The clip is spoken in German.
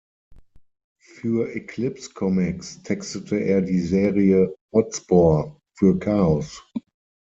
Für Eclipse Comics textete er die Serie Hotspur, für Chaos!